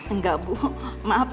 enggak bu maaf ya